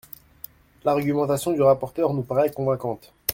L’argumentation du rapporteur nous paraît convaincante.